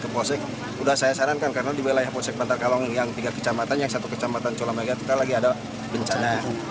pada saat ini saya sudah disarankan karena di belahnya poseg bantar kalung yang tiga kecamatan yang satu kecamatan culamaga kita lagi ada bencana